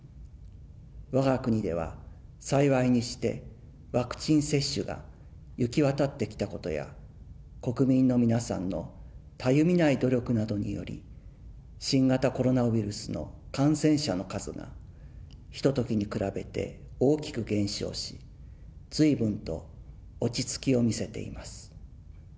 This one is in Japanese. わが国では幸いにして、ワクチン接種が行き渡ってきたことや、国民の皆さんのたゆみない努力などにより、新型コロナウイルスの感染者の数が一時に比べて大きく減少し、ずいぶんと落ち着きを見せています。